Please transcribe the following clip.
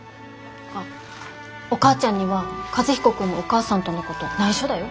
あっお母ちゃんには和彦君のお母さんとのことないしょだよ。